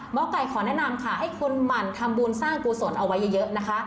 ไก่ขอแนะนำค่ะให้คุณหมั่นทำบุญสร้างกุศลเอาไว้เยอะนะคะ